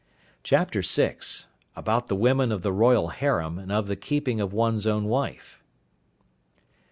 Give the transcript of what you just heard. " VI. About the Women of the Royal Harem, and of the keeping of one's own Wife.